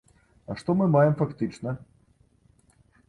А што мы маем фактычна?